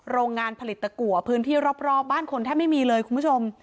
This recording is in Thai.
โรงงานผลิตตะกัวพื้นที่รอบบ้านคนแทบไม่มีเลยคุณผู้ชม